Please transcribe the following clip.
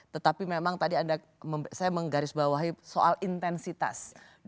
tetapi memang tadi anda saya menggarisbawahi soal intensitas